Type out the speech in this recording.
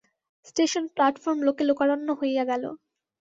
Station platform লোকে লোকারণ্য হইয়া গেল।